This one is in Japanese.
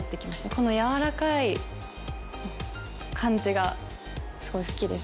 このやわらかい感じがすごい好きです